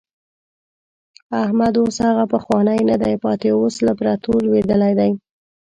احمد اوس هغه پخوانی نه دی پاتې، اوس له پرتو لوېدلی دی.